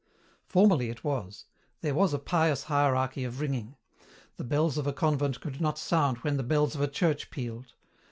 "Formerly it was. There was a pious hierarchy of ringing: the bells of a convent could not sound when the bells of a church pealed.